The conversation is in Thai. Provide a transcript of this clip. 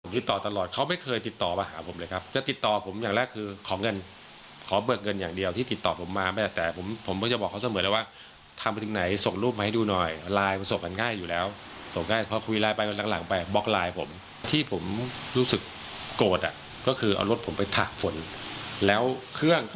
ติดต่อตลอดเขาไม่เคยติดต่อมาหาผมเลยครับจะติดต่อผมอย่างแรกคือขอเงินขอเบิกเงินอย่างเดียวที่ติดต่อผมมาแม่แต่ผมผมก็จะบอกเขาเสมอแล้วว่าทำไปถึงไหนส่งรูปมาให้ดูหน่อยไลน์ประสบกันง่ายอยู่แล้วส่งง่ายพอคุยไลน์ไปวันหลังหลังไปบล็อกไลน์ผมที่ผมรู้สึกโกรธอ่ะก็คือเอารถผมไปถักฝนแล้วเครื่อง